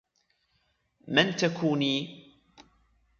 من تكونيِِ ؟